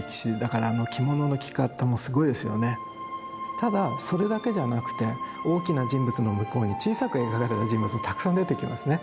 ただそれだけじゃなくて大きな人物の向こうに小さく描かれた人物がたくさん出てきますね。